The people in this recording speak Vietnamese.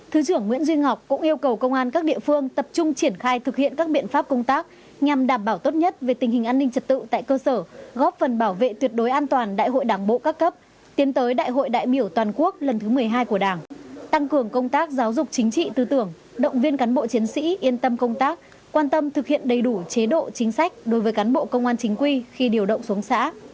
thứ trưởng nguyễn duy ngọc cũng yêu cầu công an các địa phương tập trung triển khai thực hiện các biện pháp công tác nhằm đảm bảo tốt nhất về tình hình an ninh trật tự tại cơ sở góp phần bảo vệ tuyệt đối an toàn đại hội đảng bộ các cấp tiến tới đại hội đại biểu toàn quốc lần thứ một mươi hai của đảng tăng cường công tác giáo dục chính trị tư tưởng động viên cán bộ chiến sĩ yên tâm công tác quan tâm thực hiện đầy đủ chế độ chính sách đối với cán bộ công an chính quy khi điều động xuống xã